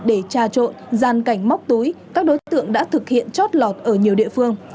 để trà trộn gian cảnh móc túi các đối tượng đã thực hiện chót lọt ở nhiều địa phương